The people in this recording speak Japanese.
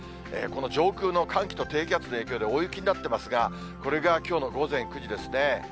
この上空の寒気と低気圧の影響で大雪になってますが、これがきょうの午前９時ですね。